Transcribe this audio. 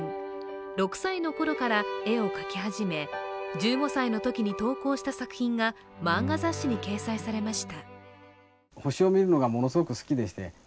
６歳のころから絵を描き始め、１５歳の時に投稿した作品が漫画雑誌に掲載されました。